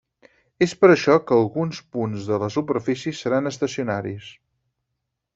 És per això que alguns punts de la superfície seran estacionaris.